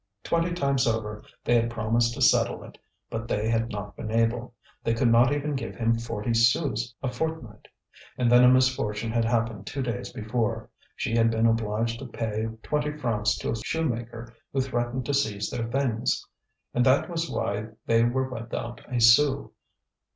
Twenty times over they had promised to settle it, but they had not been able; they could not even give him forty sous a fortnight. And then a misfortune had happened two days before; she had been obliged to pay twenty francs to a shoemaker who threatened to seize their things. And that was why they were without a sou.